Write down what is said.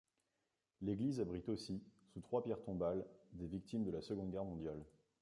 L'église abrite aussi, sous trois pierres tombales, des victimes de la Seconde Guerre mondiale.